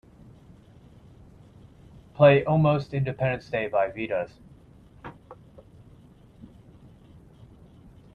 play almost independence day by Vitas